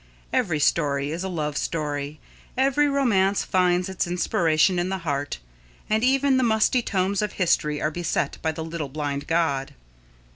Every story is a love story, every romance finds its inspiration in the heart, and even the musty tomes of history are beset by the little blind god.